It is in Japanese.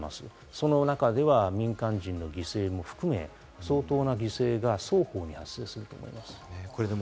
その中では民間人の犠牲も含め、相当な犠牲が双方に発生すると思います。